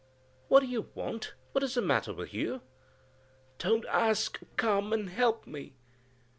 "What do you want? what is the matter with you?" "Don't ask, come and help me!"